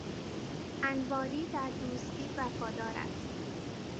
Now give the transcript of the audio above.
انواری در دوستی وفادار است.